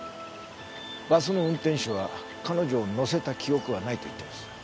バスの運転手は彼女を乗せた記憶はないと言ってます。